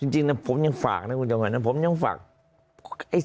จริงผมยังฝากนะคุณจังหวัยผมยังให้ฝาก